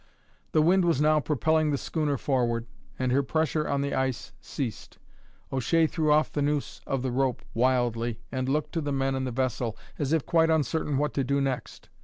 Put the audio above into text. The wind was now propelling the schooner forward, and her pressure on the ice ceased. O'Shea threw off the noose of the rope wildly, and looked to the men on the vessel, as if quite uncertain what to do next.